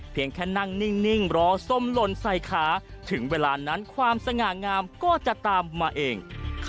แค่นั่งนิ่งรอส้มหล่นใส่ขาถึงเวลานั้นความสง่างามก็จะตามมาเอง